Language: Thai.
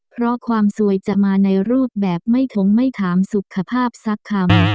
เพราะความสวยจะมาในรูปแบบไม่ทงไม่ถามสุขภาพสักคำ